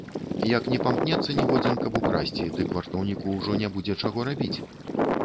Як не памкнецца ніводзін, каб украсці, дык вартаўніку ўжо не будзе чаго рабіць.